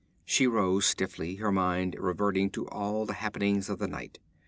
She rose stiffly, her mind reverting to all the happenings of the night.